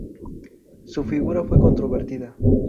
Su figura fue controvertida.